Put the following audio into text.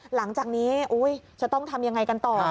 หลังจากนี้จะต้องทำยังไงกันต่อ